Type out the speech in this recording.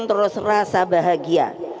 terus rasa bahagia